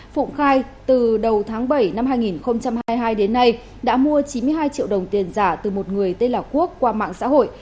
phụng khai từ đầu tháng bảy năm hai nghìn hai mươi hai đến nay đã mua chín mươi hai triệu đồng tiền giả từ một người tên là quốc qua mạng xã hội